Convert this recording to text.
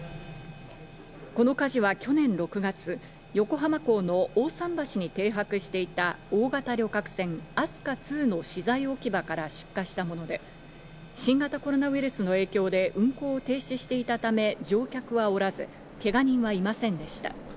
この火事は去年６月、横浜港の大桟橋に停泊していた大型旅客船・飛鳥２の資材置き場から出火したもので、新型コロナウイルスの影響で運航を停止していたため乗客はおらず、けが人はいませんでした。